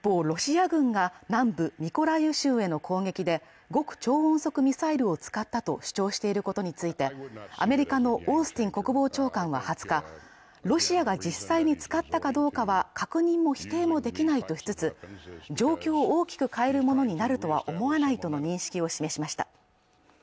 ロシア軍が南部ミコライウ州への攻撃で極超音速ミサイルを使ったと主張していることについてアメリカのオースティン国防長官は２０日ロシアが実際に使ったかどうかは確認も否定もできないとしつつ状況を大きく変えるものになるとは思えないとの認識を示しました